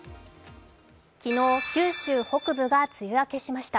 昨日、九州北部が梅雨明けしました。